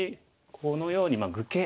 このように愚形。